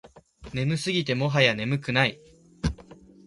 眠すぎてもはや眠くない